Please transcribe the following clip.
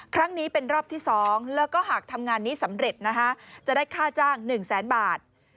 ครั้งนี้เป็นรอบที่๒แล้วก็หากทำงานนี้สำเร็จนะคะจะได้ค่าจ้าง๑แสนบาท